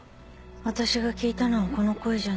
私が聞いたのはこの声じゃない。